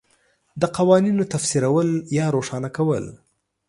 د قوانینو تفسیرول یا روښانه کول